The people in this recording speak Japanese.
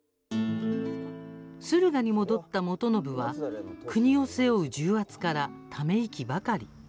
駿河に戻った元信は国を背負う重圧からため息ばかり。